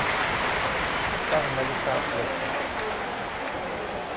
ตั้งนาฬิกาปลุก